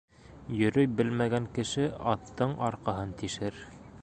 Йөрөй белмәгән кеше аттың арҡаһын тишер